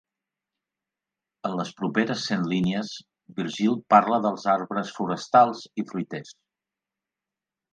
En les properes cent línies Virgil parla dels arbres forestals i fruiters.